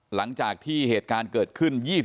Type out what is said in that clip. หลังจากที่เหตุการณ์เกิดขึ้น